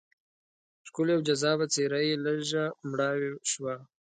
ښکلې او جذابه څېره یې لږه مړاوې شوه.